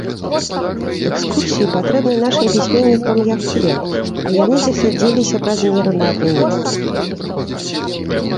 Экскурсіі патрэбны нашым пісьменнікам як хлеб, а яны засядзеліся праз меру на адным месцы.